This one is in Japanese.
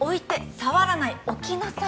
触らない！置きなさい！